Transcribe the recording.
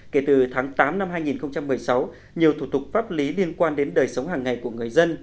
kể từ tháng tám năm hai nghìn một mươi sáu nhiều thủ tục pháp lý liên quan đến đời sống hàng ngày của người dân